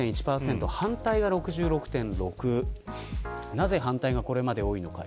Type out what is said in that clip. なぜ反対がこれまで多いのか。